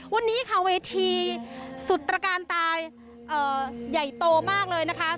วันนี้ค่ะเวทีสุดตรการตายใหญ่โตมากเลยนะคะ